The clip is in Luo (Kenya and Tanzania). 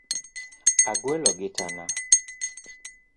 Agwelo gitana.